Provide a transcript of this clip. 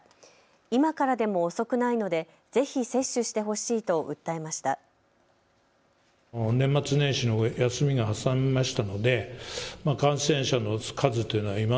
今からでも遅くないのでぜひ接種してほしいと訴えました。